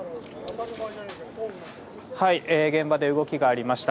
現場で動きがありました。